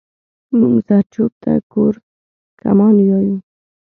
مونږ زرچوب ته کورکمان يايو